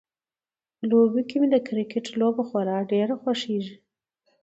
په لوبو کې مې د کرکټ لوبه خورا ډیره خوښیږي